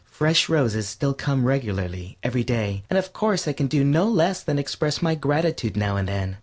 Fresh roses still come regularly every day, and of course I can do no less than express my gratitude now and then.